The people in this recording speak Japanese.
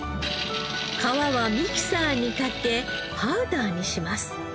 皮はミキサーにかけパウダーにします。